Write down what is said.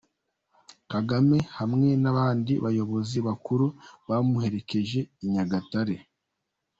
Kagame hamwe n'abandi bayobozi bakuru bamuherekeje i Nyagatare.